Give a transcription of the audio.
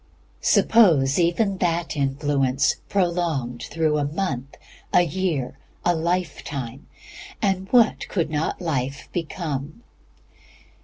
Suppose even that influence prolonged through a month, a year, a lifetime, and what could not life become?